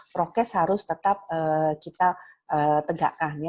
prokes harus tetap kita tegakkan ya